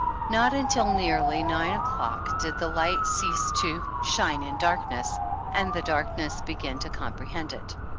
Not until nearly nine o'clock did the light cease to shine in darkness " and the darkness begin to comprehend it.